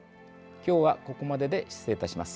今日はここまでで失礼いたします。